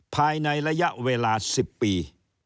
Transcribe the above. ภายในระยะเวลา๑๐ปี